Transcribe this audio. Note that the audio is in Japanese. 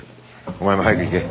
お前も早く行け。